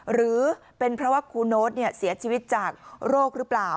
หรือเป็นเพราะว่าครูโน๊ตเสียชีวิตจากโรคหรือเปล่า